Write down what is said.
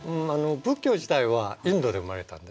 仏教自体はインドで生まれたんですね。